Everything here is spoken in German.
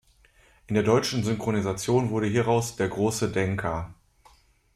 In der deutschen Synchronisation wurde hieraus „Der Große Denker“.